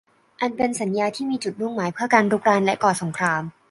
อันเป็นสัญญาที่มีจุดมุ่งหมายเพื่อการรุกรานและก่อสงคราม